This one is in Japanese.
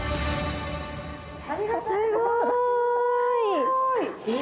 すごい。